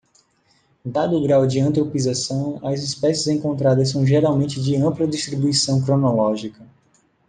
Dado o grau de antropização, as espécies encontradas são geralmente de ampla distribuição cronológica.